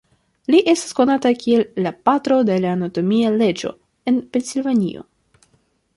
Li estas konata kiel la "Patro de la Anatomia Leĝo" en Pensilvanio.